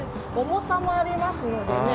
重さもありますのでね。